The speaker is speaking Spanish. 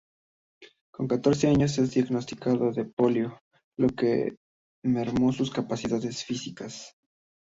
Con catorce años es diagnosticado de polio, lo que mermó sus capacidades físicas.